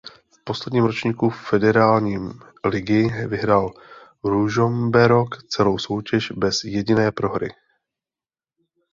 V posledním ročníku federálním ligy vyhrál Ružomberok celou soutěž bez jediné prohry.